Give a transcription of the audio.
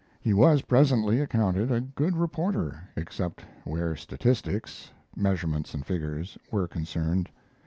He was presently accounted a good reporter, except where statistics measurements and figures were concerned.